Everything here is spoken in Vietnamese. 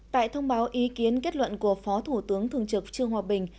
tại thông báo ý kiến kết luận của phó thủ tướng thường trực trương hòa bình